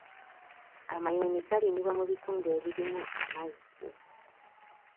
Amayuuni galimibwa mu bitundu ebirimu amazzi.